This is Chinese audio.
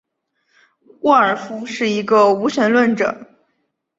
沃尔夫是一个无神论者。